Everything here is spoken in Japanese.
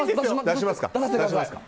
出します。